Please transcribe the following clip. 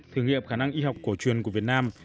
thử nghiệm khả năng y học cổ truyền của việt nam